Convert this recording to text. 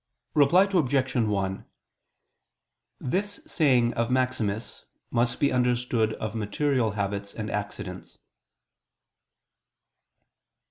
Reply Obj. 1: This saying of Maximus must be understood of material habits and accidents.